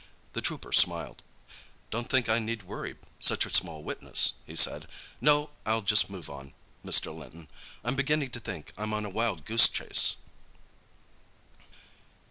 The trooper smiled. "Don't think I need worry such a small witness," he said. "No, I'll just move on, Mr. Linton. I'm beginning to think I'm on a wild goose chase."